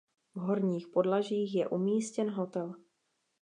V horních podlažích je umístěn hotel.